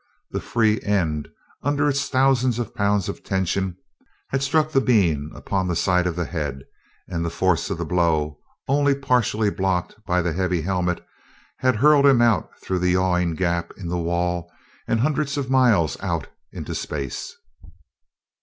The free end, under its thousands of pounds of tension, had struck the being upon the side of the head, and the force of the blow, only partially blocked by the heavy helmet, had hurled him out through the yawning gap in the wall and hundreds of miles out into space.